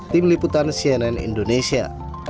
tim liputan cnn indonesia